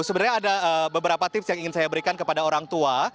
sebenarnya ada beberapa tips yang ingin saya berikan kepada orang tua